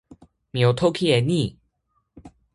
mi o toki e ni: